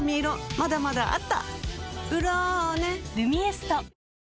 まだまだあった！